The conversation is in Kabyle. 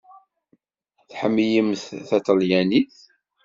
Tḥemmlemt taṭelyanit?